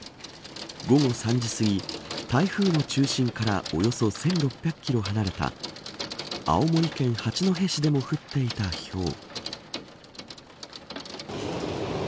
午後３時すぎ台風の中心からおよそ１６００キロ離れた青森県八戸市でも降っていたひょう。